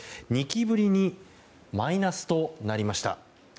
２期ぶりにマイナスとなりました。